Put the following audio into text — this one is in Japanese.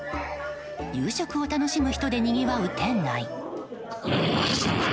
夕食を楽しむ人でにぎわう店内。